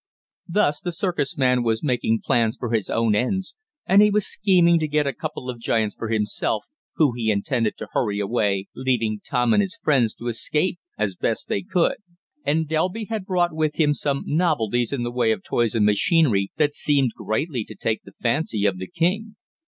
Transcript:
Thus the circus man was making plans for his own ends, and he was scheming to get a couple of giants for himself, who he intended to hurry away, leaving Tom and his friends to escape as best they could. And Delby had brought with him some novelties in the way of toys and machinery that seemed greatly to take the fancy of the king.